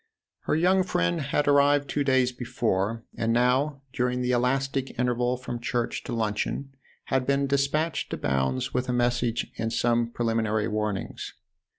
Her young friend had arrived two days before and now during the elastic interval from church to luncheon had been despatched to Bounds with a message and some preliminary warnings.